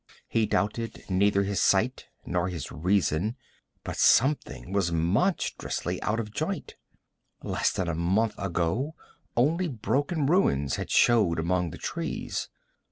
He doubted neither his sight nor his reason, but something was monstrously out of joint. Less than a month ago only broken ruins had showed among the trees.